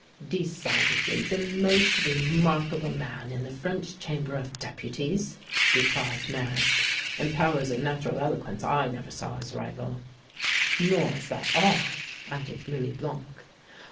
"Decidedly the most remarkable man in the French Chamber of Deputies," replied Marrast. "In powers of natural eloquence I never saw his rival." "Nor is that all," added Louis Blanc.